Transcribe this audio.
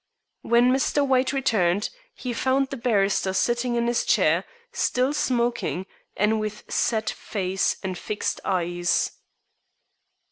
When Mr. White returned, he found the barrister sitting in his chair, still smoking, and with set face and fixed eyes.